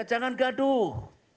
tidak ada yang bergaduh